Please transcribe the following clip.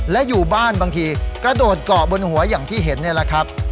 และอยู่บ้านบางทีกระโดดเกาะบนหัวอย่างที่เห็นนี่แหละครับ